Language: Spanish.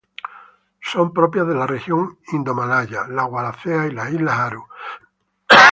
Son propias de la región indomalaya, la Wallacea y las islas Aru.